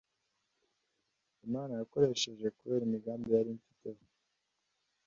Imana yokoresheje kubera imigambi yari imfiteho.